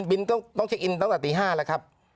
บินต้องเช็คอินตั้งแต่ตี๕แล้วครับ